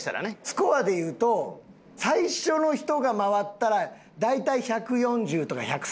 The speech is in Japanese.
スコアでいうと最初の人が回ったら大体１４０とか１３０とか。